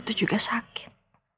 itu juga sakit